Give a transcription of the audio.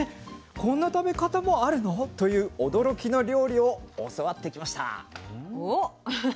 こんな食べ方もあるの？という驚きの料理を教わってきました。